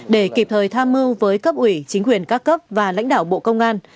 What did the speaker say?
để kịp thời tham mưu với cấp ủy chính quyền các cấp và lãnh đạo bộ công an